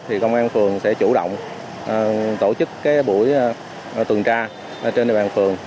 thì công an phường sẽ chủ động tổ chức buổi tuần tra trên địa bàn phường